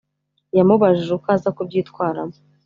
yamubajije uko aza kubyitwaramo